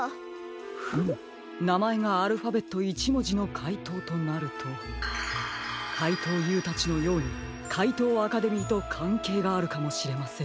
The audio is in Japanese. フムなまえがアルファベット１もじのかいとうとなるとかいとうＵたちのようにかいとうアカデミーとかんけいがあるかもしれませんね。